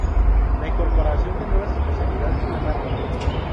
La incorporación de nuevas especialidades fue rápida.